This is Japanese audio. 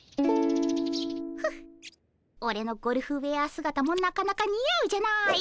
フッオレのゴルフウェア姿もなかなかにあうじゃないかっ。